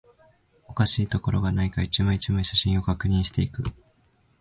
おかしいところがないか、一枚、一枚、写真を確認していく